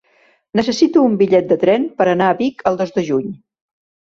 Necessito un bitllet de tren per anar a Vic el dos de juny.